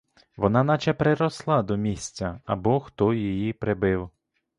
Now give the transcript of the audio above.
Вона наче приросла до місця, або хто її прибив.